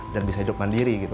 dan bisa hidup mandiri gitu